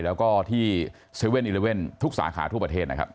แล้วก็ที่๗๑๑ทุกสาขาทั่วประเทศนะครับ